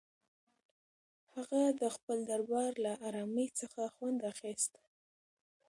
هغه د خپل دربار له ارامۍ څخه خوند اخیست.